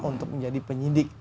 untuk menjadi penyidik